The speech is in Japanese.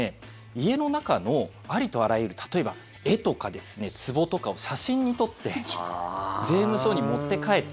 家の中のありとあらゆる例えば絵とか、つぼとかを写真に撮って税務署に持って帰って